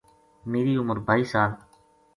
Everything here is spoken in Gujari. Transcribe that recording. میری عمر بائی سا ل